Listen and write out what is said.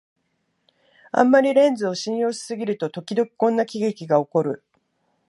あんまりレンズを信用しすぎると、ときどきこんな喜劇がおこる